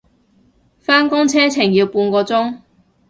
返工車程要個半鐘